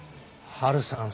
ハルさん